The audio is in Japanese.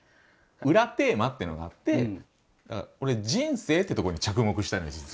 裏テーマっていうのがあってこれ人生ってとこに着目したんですよ